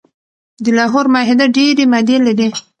د لاهور معاهده ډیري مادي لري.